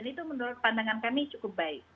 jadi itu menurut pandangan kami cukup baik